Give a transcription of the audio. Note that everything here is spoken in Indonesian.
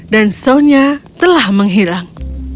dan sonia telah menghilang